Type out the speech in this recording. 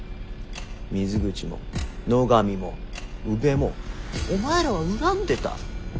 水口も野上も宇部もお前らは恨んでた。